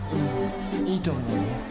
いいと思うよ。